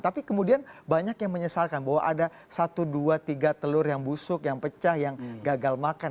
tapi kemudian banyak yang menyesalkan bahwa ada satu dua tiga telur yang busuk yang pecah yang gagal makan